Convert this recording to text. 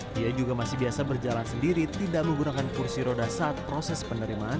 dia juga masih biasa berjalan sendiri tidak menggunakan kursi roda saat proses penerimaan